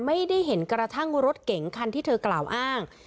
ไม่ได้เห็นกระทั่งรถเก๋งคันที่เธอกล่าวอ้าง